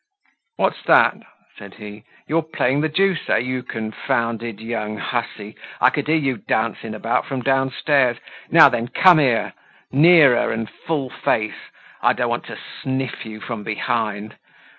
"What's that?" said he. "You're playing the deuce, eh, you confounded young hussy! I could hear you dancing about from downstairs. Now then, come here! Nearer and full face. I don't want to sniff you from behind.